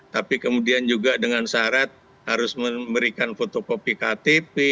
tapi kemudian juga dengan syarat harus memberikan fotokopi ktp